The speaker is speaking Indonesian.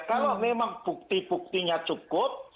kalau memang bukti buktinya cukup